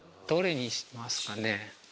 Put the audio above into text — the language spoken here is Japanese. どれにしますかね？